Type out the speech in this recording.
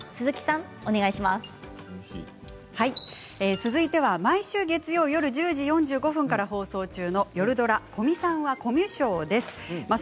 続いては毎週、月曜夜１０時４５分から放送中のよるドラ「古見さんは、コミュ症です。」です。